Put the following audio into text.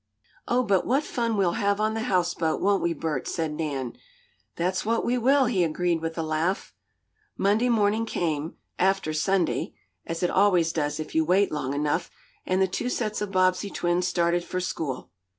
"Oh, but what fun we'll have on the houseboat, won't we, Bert?" said Nan. "That's what we will," he agreed with a laugh. Monday morning came, after Sunday (as it always does if you wait long enough) and the two sets of Bobbsey twins started for school.